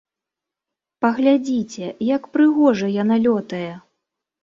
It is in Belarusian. Паглядзіце, як прыгожа яна лётае!